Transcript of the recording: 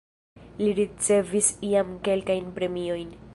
Li ricevis jam kelkajn premiojn.